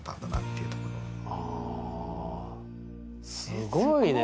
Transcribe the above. すごいね。